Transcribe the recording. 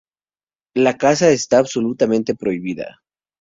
La caza está absolutamente prohibida.